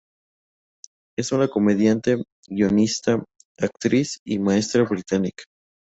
Es una comediante, guionista, actriz y maestra británica.